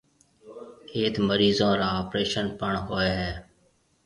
ايٿ مريضون را آپريشن پڻ ھوئيَ ھيََََ